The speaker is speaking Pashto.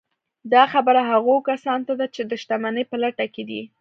دا خبره هغو کسانو ته ده چې د شتمنۍ په لټه کې دي